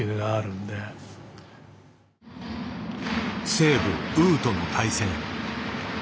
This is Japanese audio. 西武呉との対戦。